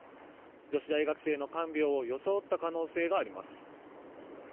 女子大学生の看病を装った可能性があります。